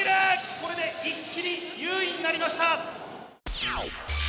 これで一気に優位になりました。